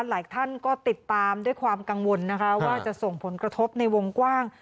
หลายท่านก็ติดตามด้วยความกังวลนะคะว่าจะส่งผลกระทบในวงกว้าง